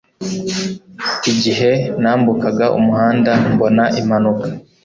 Igihe nambukaga umuhanda, mbona impanuka.